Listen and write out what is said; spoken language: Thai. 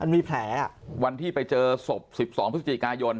มีแผลวันที่ไปเจอศพ๑๒พฤศจิกายน